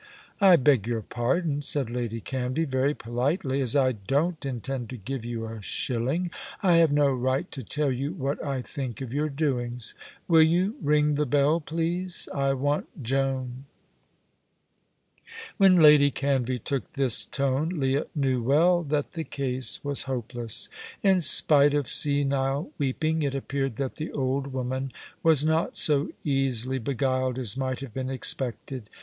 "I beg your pardon," said Lady Canvey, very politely. "As I don't intend to give you a shilling, I have no right to tell you what I think of your doings. Will you ring the bell, please? I want Joan." When Lady Canvey took this tone Leah knew well that the case was hopeless. In spite of senile weeping, it appeared that the old woman was not so easily beguiled as might have been expected.